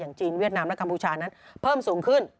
จีนเวียดนามและกัมพูชานั้นเพิ่มสูงขึ้น